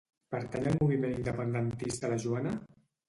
Pertany al moviment independentista la Joana?